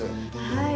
はい。